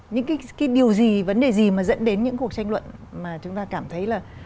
những cái điều gì vấn đề gì mà dẫn đến những cuộc tranh luận mà chúng ta cảm thấy là